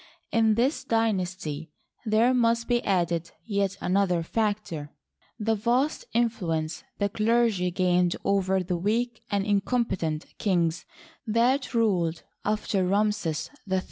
In this dynasty there must be added yet another factor — the vast influ ence the clergy gained over the weak and incompetent kings that ruled after Ramses III.